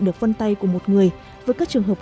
được vân tay của một người với các trường hợp